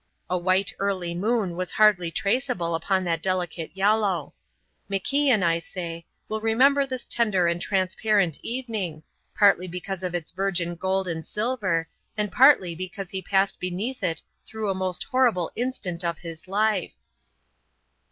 A white early moon was hardly traceable upon that delicate yellow. MacIan, I say, will remember this tender and transparent evening, partly because of its virgin gold and silver, and partly because he passed beneath it through the most horrible instant of his life.